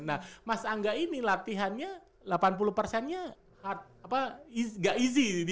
nah mas angga ini latihannya delapan puluh persennya gak easy